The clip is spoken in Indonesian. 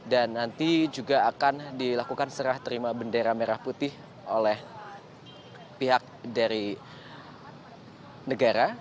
dan nanti juga akan dilakukan serah terima bendera merah putih oleh pihak dari negara